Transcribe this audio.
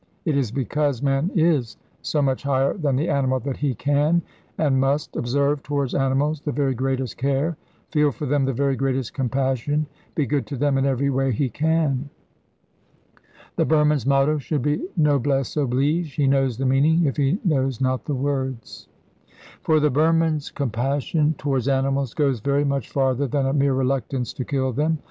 It is because man is so much higher than the animal that he can and must observe towards animals the very greatest care, feel for them the very greatest compassion, be good to them in every way he can. The Burman's motto should be Noblesse oblige; he knows the meaning, if he knows not the words. For the Burman's compassion towards animals goes very much farther than a mere reluctance to kill them.